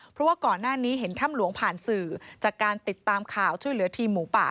เพราะว่าก่อนหน้านี้เห็นถ้ำหลวงผ่านสื่อจากการติดตามข่าวช่วยเหลือทีมหมูป่า